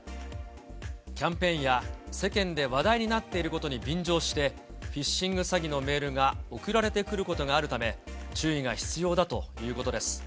キャンペーンや世間で話題になっていることに便乗して、フィッシング詐欺のメールが送られてくることがあるため、注意が必要だということです。